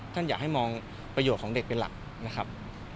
ท่านอยากให้มองประโยชน์ของเด็กเป็นหลักนะครับ